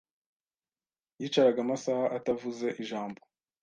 Yicaraga amasaha atavuze ijambo.